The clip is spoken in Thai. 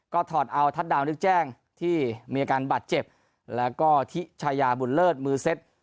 ก็ถอดเอาทัศดาวนึกแจ้งที่มีอาการบาดเจ็บแล้วก็ทิชายาบุญเลิศมือเซ็ต